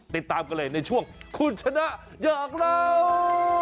ติดตามกันเลยในช่วงคุณชนะอยากเล่า